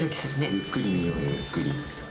ゆっくり見ようよ、ゆっくり。